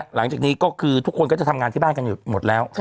หลังจากนี้ก็คือทุกคนก็จะทำงานที่บ้านกันอยู่หมดแล้ว